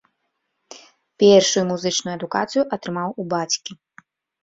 Першую музычную адукацыю атрымаў у бацькі.